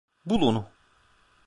Bul onu.